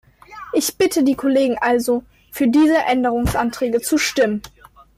Ich bitte die Kollegen also, für diese Änderungsanträge zu stimmen.